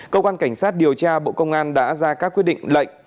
cơ quan cảnh sát điều tra bộ công an đã ra các quyết định lệnh